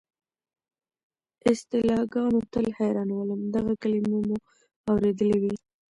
اصطلاحګانو تل حیرانولم، دغه کلیمې مو اورېدلې وې.